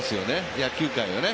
野球界をね。